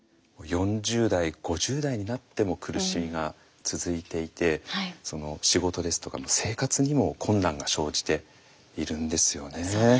４０代５０代になっても苦しみが続いていて仕事ですとか生活にも困難が生じているんですよね。